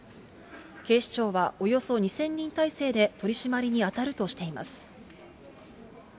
警視庁はおよそ２０００人態勢で取締りに当たるとしています。